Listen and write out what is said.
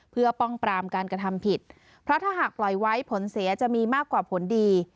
เพื่อป้องปรามการกระทำผิดเพราะถ้าหากปล่อยไว้ผลเสียจะมีมากกว่าผลดี